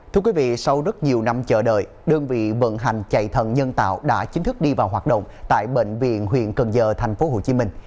thưa quý vị sau rất nhiều năm chờ đợi đơn vị vận hành chạy thần nhân tạo đã chính thức đi vào hoạt động tại bệnh viện huyện cần giờ thành phố hồ chí minh